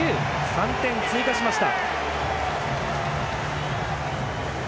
３点追加しました。